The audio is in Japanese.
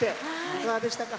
いかがでしたか？